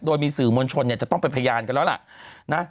โดยมีสื่อมวลชนเนี่ยจะต้องเป็นพยานกันแล้วล่ะนะ